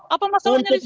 apa masalahnya disitu